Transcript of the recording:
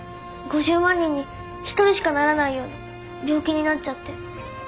５０万人に１人しかならないような病気になっちゃって。